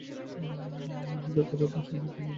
নিরাকার রবের সামনে কি এমনিভাবে আত্মভোলা হওয়া যায়?